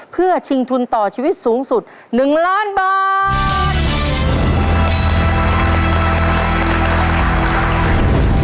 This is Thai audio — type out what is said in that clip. เพื่อชิงทุนต่อชีวิตสูงสุด๑ล้านบาท